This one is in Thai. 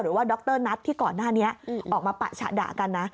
ดรนัทที่ก่อนหน้านี้ออกมาปะฉะด่ากันนะ